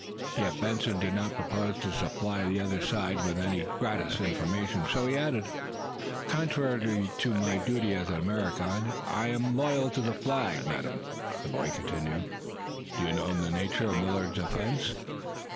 Yet, Benson did not propose to supply the other side with any gratis information. So he added: "Contrary to my duty as an American. I am loyal to the Flag, madam," the boy continued. "Do you know the nature of Millard's offense?"